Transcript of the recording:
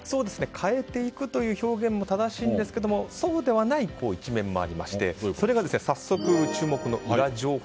変えていくという表現も正しいんですけれどもそうではない一面もありましてそれが早速注目のウラ情報。